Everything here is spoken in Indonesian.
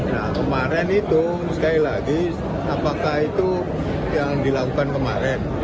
nah kemarin itu sekali lagi apakah itu yang dilakukan kemarin